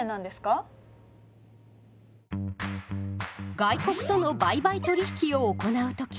外国との売買取引を行うとき